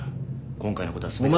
今回のことは全て私。